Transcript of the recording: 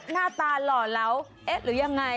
หน้าตาหล่อเหลาเอ๊ะหรือยังไง